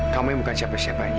kamu bukan siapa siapanya